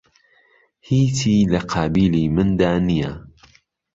هیچی لە قابیلی مندا نییە